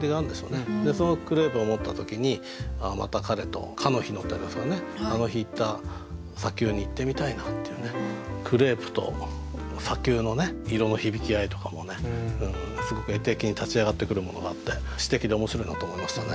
そのクレープを持った時にああまた彼と「彼日の」ってありますからねあの日行った砂丘に行ってみたいなっていうねクレープと砂丘の色の響き合いとかもすごく絵的に立ち上がってくるものがあって詩的で面白いなと思いましたね。